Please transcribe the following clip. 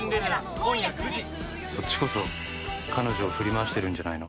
「そっちこそ彼女を振り回してるんじゃないの？」